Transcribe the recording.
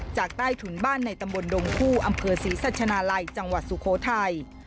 จากใต้ถุนบ้านในตำบลดงคู่อำเภอศรีสัชนาลัยจังหวัดสุโขทัย